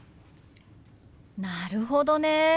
なるほどね。